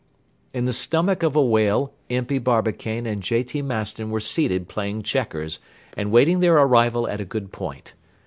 In the stomach of a whale Impey Barbicane and J. T. Maston were seated playing checkers and waiting their arrival at a good point.